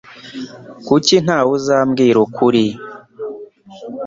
Kuki ntawe uzambwira ukuri?